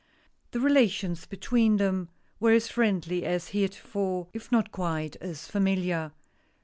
The relations between them were as friendly as heretofore, if not quite as familiar.